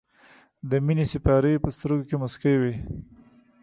د مینې سېپارې یې په سترګو کې موسکۍ وې.